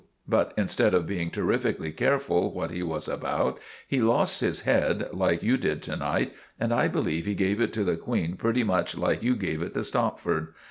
But instead of being terrifically careful what he was about, he lost his head, like you did to night, and I believe he gave it to the Queen pretty much like you gave it to Stopford.